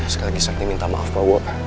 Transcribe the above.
sekali lagi sakti minta maaf papa